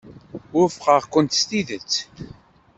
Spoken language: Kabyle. Wufqeɣ-kent s tidet.